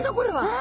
あ！